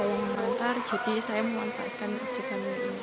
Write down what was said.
saya sudah mengantar jadi saya menggunakan ojek mil ini